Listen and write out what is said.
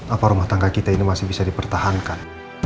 apa rumah tangga kita ini masih bisa dipertahankan